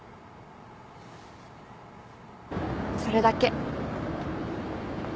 それだけ。